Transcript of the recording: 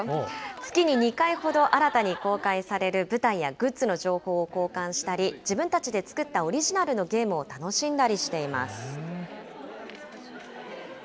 月に２回ほど、新たに公開される舞台やグッズの情報を交換したり、自分たちで作ったオリジナルのゲームを楽しんだりしています。